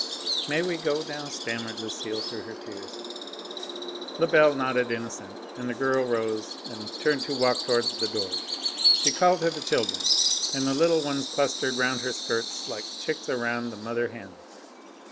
"May we go now?" stammered Lucile through her tears. Lebel nodded in assent, and the girl rose and turned to walk towards the door. She called to the children, and the little ones clustered round her skirts like chicks around the mother hen.